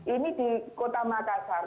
ini di kota makassar